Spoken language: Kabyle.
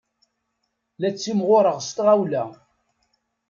La ttimɣureɣ s tɣawla.